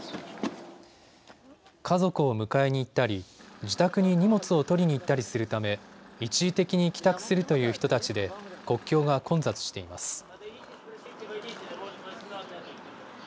家族を迎えに行ったり自宅に荷物を取りに行ったりするため一時的に帰宅するという人たちで国境が混雑しています。